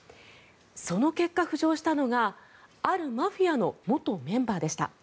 その結果、浮上したのがあるマフィアの元メンバーでした。